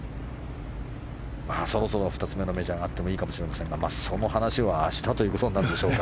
そろそろ２つ目のメジャーがあってもいいかもしれませんがその話は明日ということになるでしょうか。